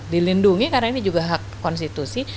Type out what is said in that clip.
dilindungi karena ini juga hak konstitusi